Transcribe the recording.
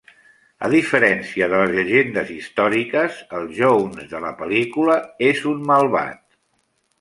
A diferència de les llegendes històriques, el Jones de la pel·lícula és un malvat.